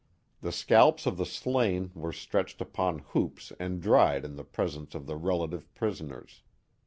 The scalps of the slain were stretched upon hoops and dried in the presence of the relative prisoners.